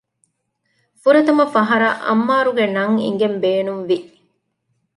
ފުރަތަމަ ފަހަރަށް އައްމާރު ގެ ނަން އިނގެން ބޭނުންވި